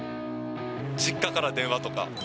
実家から電話とか。